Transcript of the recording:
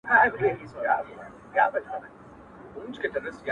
كه څه هم تور پاته سم سپين نه سمه ـ